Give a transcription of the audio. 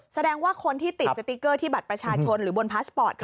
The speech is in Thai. แสดงว่าคนที่ติดสติ๊กเกอร์ที่บัตรประชาชนหรือบนพาสปอร์ต